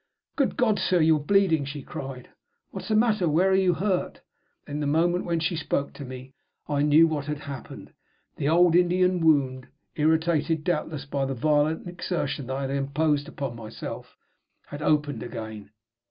"Good God, sir, you're bleeding!" she cried. "What's the matter? Where are you hurt?" In the moment when she spoke to me I knew what had happened. The old Indian wound (irritated, doubtless, by the violent exertion that I had imposed on myself) had opened again.